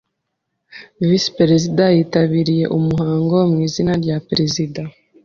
Visi-Perezida yitabiriye umuhango mu izina rya perezida.